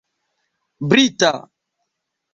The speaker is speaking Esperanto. brita